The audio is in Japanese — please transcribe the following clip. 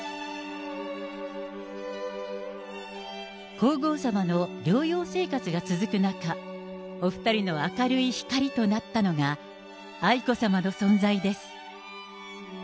皇后さまの療養生活が続く中、お２人の明るい光となったのが、愛子さまの存在です。